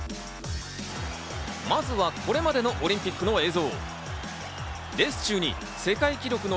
まずはこれまでのオリンピックの映像。